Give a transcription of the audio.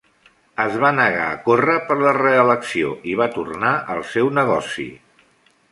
Es va negar a córrer per la reelecció, i va tornar al seu negoci.